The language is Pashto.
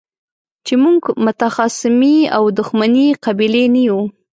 چې موږ متخاصمې او دښمنې قبيلې نه يو.